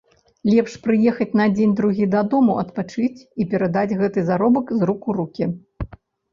Лепш прыехаць на дзень-другі дадому адпачыць і перадаць гэты заробак з рук у рукі.